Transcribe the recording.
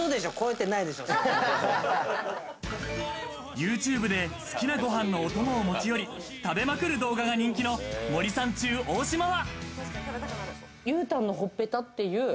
ユーチューブで好きなご飯のお供を持ち寄り食べまくる動画が人気の森三中・大島は。